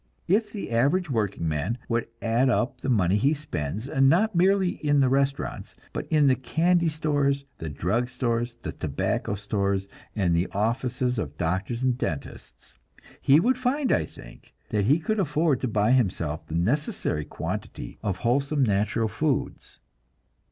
If the average workingman would add up the money he spends, not merely in the restaurants, but in the candy stores, the drug stores, the tobacco stores, and the offices of doctors and dentists, he would find, I think, that he could afford to buy himself the necessary quantity of wholesome natural foods.